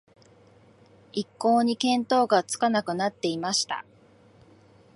一向に見当がつかなくなっていました